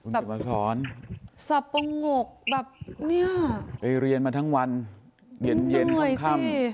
แบบสับปะงกแบบเนี้ยไปเรียนมาทั้งวันเดี๋ยวเย็นเย็นหนึ่งเหนื่อยสิ